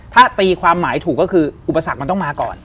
ถ้าตีความหมายถูกก็คืออุปสรรคมันต้องมาก่อน